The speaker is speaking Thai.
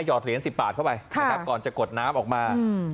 หยอดเหรียญ๑๐บาทเข้าไปก่อนจะกดน้ำออกมา